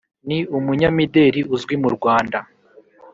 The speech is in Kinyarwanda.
Ni umunyamideli uzwi mu Rwanda